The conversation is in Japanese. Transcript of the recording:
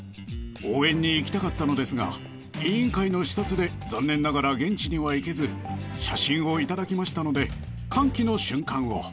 応援に行きたかったのですが委員会の視察で残念ながら現地には行けず写真を頂きましたので歓喜の瞬間を。